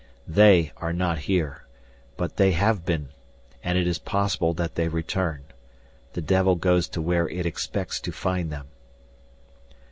"They are not here. But they have been and it is possible that they return. The devil goes to where it expects to find them."